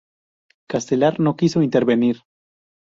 Castelar no quiso intervenir.